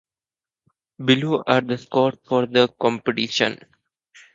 Below are the squads for the competition.